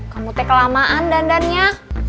kamu teh kelamaan dandannya